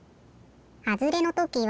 はずれのときは。